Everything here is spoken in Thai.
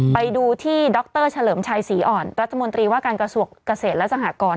ไปดูที่ดรเฉลิมชัยศรีอ่อนรัฐมนตรีว่าการกระทรวงเกษตรและสหกร